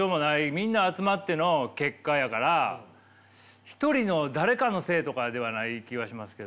みんな集まっての結果やから一人の誰かのせいとかではない気はしますけど。